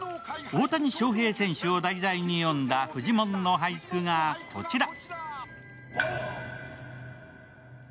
大谷翔平選手を題材に詠んだフジモンの俳句がこちら。